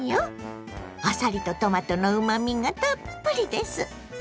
あさりとトマトのうまみがたっぷりです。